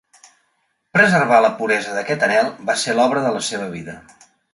Preservar la puresa d'aquest anhel va ser l'obra de la seva vida.